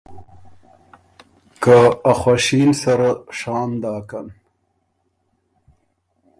که آ خوشي ن سره شام داکن“